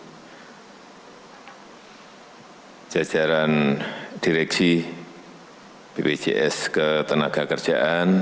yang saya hormati jajaran direksi bpjs ketenagakerjaan